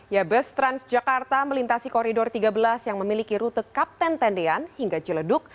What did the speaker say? ya bus transjakarta melintasi koridor tiga belas yang memiliki rute kapten tendean hingga ciledug